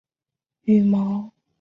羽毛直接粘贴在箭身上。